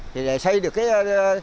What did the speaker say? thì sẽ xây được cái kè